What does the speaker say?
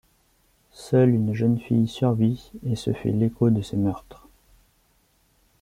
Seule une jeune fille survit et se fait l'écho de ces meurtres.